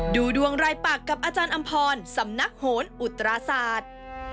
ดูดวงรายปากกับอาจารย์อำพรสำนักโหนอุตราศาสตร์